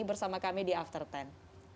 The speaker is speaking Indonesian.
terima kasih mbak lisa yusman